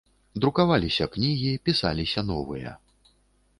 Друкаваліся кнігі, пісаліся новыя.